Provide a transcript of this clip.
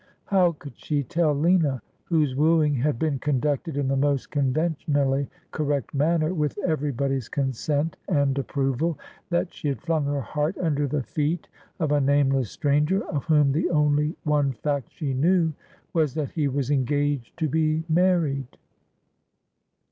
How could she tell Lina — whose wooing had been conducted in the most conventionally correct manner, with everybody's consent and approval — that she had flung her heart under the feet of a nameless stranger, of whom the only one fact she knew was that he was engaged to be married